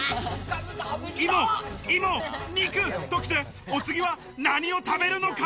芋、芋、肉と来て、お次は何を食べるのか？